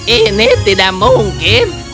ini tidak mungkin